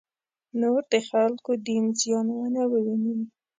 نور د خلکو دین زیان نه وویني.